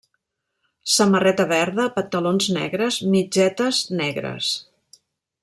Samarreta verda, pantalons negres, mitgetes negres.